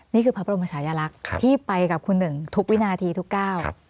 นี่คือพระบรมชายลักษณ์ที่ไปกับคุณหนึ่งทุกวินาทีทุกก้าว